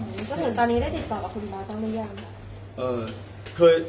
ก็เห็นตอนนี้ได้ติดต่อเหรอครับคุณพระบอเต้อนี่อย่าง